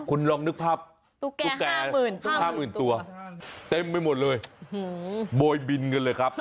คุณลองนึกภาพตุ๊กแก่๕๐๐๐ตัวเต็มไปหมดเลยโบยบินกันเลยครับ